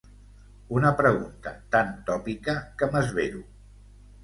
Una pregunta tan tòpica que m'esvero.